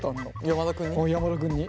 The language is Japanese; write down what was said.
山田君に。